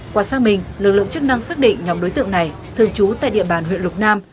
qua sang mình lực lượng chức năng xác định nhóm đối tượng này thường trú tại địa bàn huyện lục nam